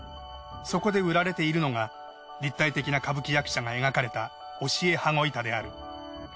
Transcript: そこで売られているのが立体的な歌舞伎役者が描かれた押絵羽子板である。